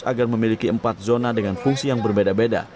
agar memiliki empat zona dengan fungsi yang berbeda beda